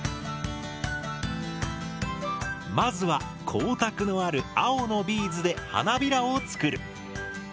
まずは光沢のある青のビーズで花びらを作る。